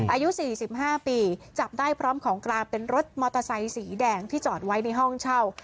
อายุ๔๕ปีจับได้พร้อมของกลางเป็นรถมอเตอร์ไซค์สีแดงที่จอดไว้ในห้องเช่า